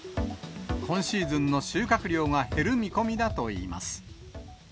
今シーズンの収穫量が減る見込みだといいます。